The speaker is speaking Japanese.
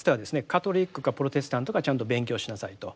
カトリックかプロテスタントかちゃんと勉強しなさいと。